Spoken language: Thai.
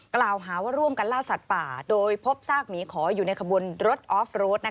กล่าวหาว่าร่วมกันล่าสัตว์ป่าโดยพบซากหมีขออยู่ในขบวนรถออฟโรด